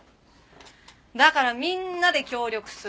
だからみんなで協力する。